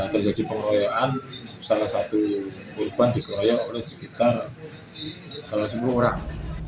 terjadi pengeroyokan salah satu korban dikeroyok oleh sekitar kalau sepuluh orang